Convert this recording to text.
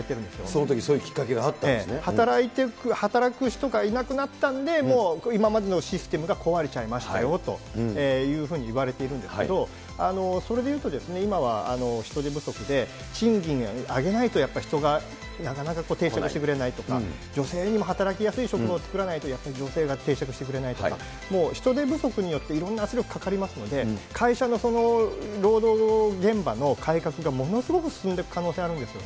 そのときそういうきっかけが働く人がいなくなったんで、もう今までのシステムが壊れちゃいましたよというふうにいわれているんだけど、それでいうとですね、今は人手不足で、賃金を上げないとやっぱり、人がなかなか定着してくれないとか、女性にも働きやすい職場を作らないと、逆に女性が定着してくれないとか、もう人手不足によっていろんな圧力かかりますので、会社の労働現場の改革がものすごく進んでいく可能性あるんですよ